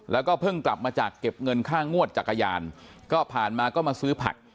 แล้วก็เพิ่งกลับมาจากเก็บเงินค่างวดจักรยานก็ผ่านมาก็มาซื้อผัก